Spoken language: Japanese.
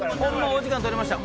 お時間取りました。